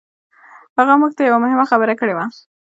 هغه موږ ته يوه مهمه خبره کړې وه.